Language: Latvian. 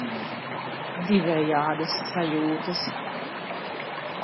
Divējādas sajūtas.